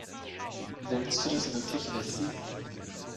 Willst du das wirklich wissen?